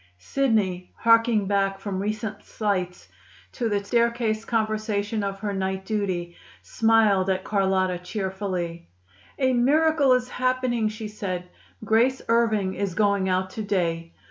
Sidney, harking back from recent slights to the staircase conversation of her night duty, smiled at Carlotta cheerfully. "A miracle is happening," she said. "Grace Irving is going out to day.